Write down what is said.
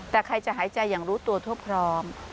แต่ใครจะหายใจอย่างรู้ตัวทั่วพร้อม